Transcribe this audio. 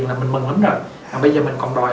là mình mừng lắm rồi bây giờ mình còn đòi